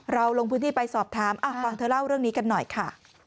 ลงพื้นที่ไปสอบถามฟังเธอเล่าเรื่องนี้กันหน่อยค่ะ